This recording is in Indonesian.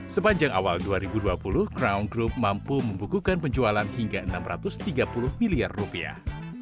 sepanjang awal dua ribu dua puluh crown group mampu membukukan penjualan hingga enam ratus tiga puluh miliar rupiah